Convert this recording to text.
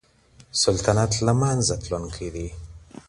سلطنت له منځه تلونکی دی.